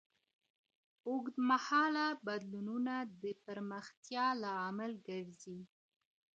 اوږد مهاله بدلونونه د پرمختيا لامل ګرځي.